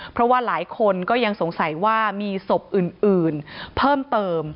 เพราะว่าหลายคนก็ยังสงสัยว่ามีศพอื่นเพิ่มเติม